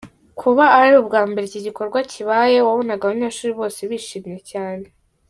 Kuba ari ubwa mbere iki gikorwa kibaye, wabonaga abanyeshuri bose bishimye cyane.